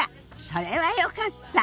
それはよかった。